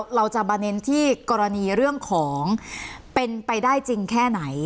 ประเด็นที่กรณีเรื่องของเป็นไปได้จริงแค่ไหน